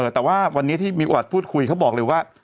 แต่ว่าวันนี้ที่มีโอกาสพูดคุยเขาบอกเลยว่า